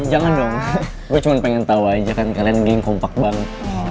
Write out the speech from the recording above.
jangan dong gua cuma pengen tau aja kan kalian geng kompak banget